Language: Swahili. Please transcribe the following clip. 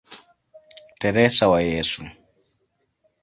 Teresa wa Yesu".